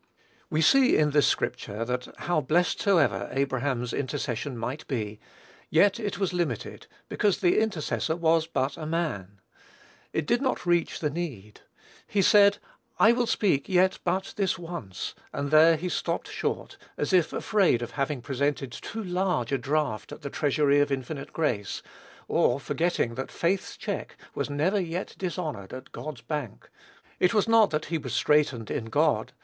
We see in this scripture that how blessed soever Abraham's intercession might be, yet it was limited, because the intercessor was but a man. It did not reach the need. He said, "I will speak yet but this once," and there he stopped short, as if afraid of having presented too large a draft at the treasury of infinite grace, or forgetting that faith's check was never yet dishonored at God's bank. It was not that he was straitened in God.